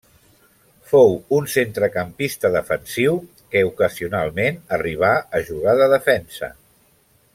Fou un centrecampista defensiu, que ocasionalment arribà a jugar de defensa.